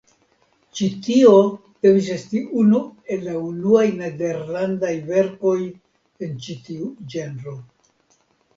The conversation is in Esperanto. Ĉi tio devis esti unu el la unuaj nederlandaj verkoj en ĉi tiu ĝenro.